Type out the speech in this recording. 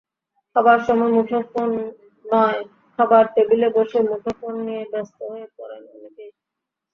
খাবার সময় মুঠোফোন নয়খাবার টেবিলে বসে মুঠোফোন নিয়ে ব্যস্ত হয়ে পড়েন অনেকেই।